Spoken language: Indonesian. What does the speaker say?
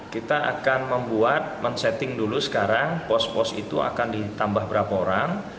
kita akan membuat men setting dulu sekarang pos pos itu akan ditambah berapa orang